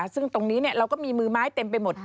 ซึ่งตรงนี้เราก็มีมือไม้เต็มไปหมด